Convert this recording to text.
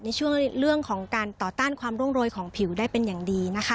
ในช่วงเรื่องของการต่อต้านความร่วงโรยของผิวได้เป็นอย่างดีนะคะ